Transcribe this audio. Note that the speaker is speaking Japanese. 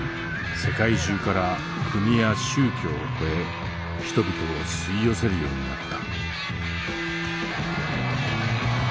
世界中から国や宗教を超え人々を吸い寄せるようになった。